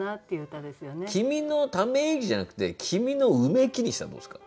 「君のため息」じゃなくて「君のうめき」にしたらどうですか？